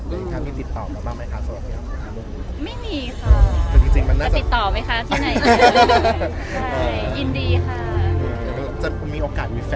มีแฟนมิตติ้งอะไรอย่างเงี้ยค่ะพี่น้ำอยากลองมาโคลกันไหมค่ะ